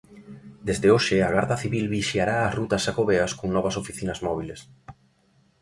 Desde hoxe a Garda Civil vixiará as rutas xacobeas con novas oficinas móbiles.